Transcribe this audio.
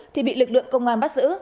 thì bị lực lượng công an bắt giữ